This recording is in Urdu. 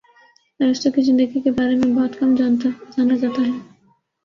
ارسطو کی زندگی کے بارے میں بہت کم جانا جاتا ہے